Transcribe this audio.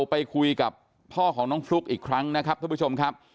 ไปคุยกับพ่อของน้องฟลุ๊กอีกครั้งนะครับท่านผู้ชมครับ